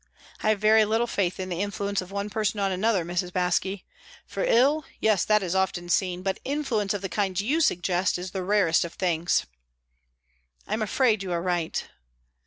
"I have very little faith in the influence of one person on another, Mrs. Baske. For ill yes, that is often seen; but influence of the kind you suggest is the rarest of things." "I'm afraid you are right."